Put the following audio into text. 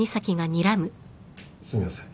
すみません。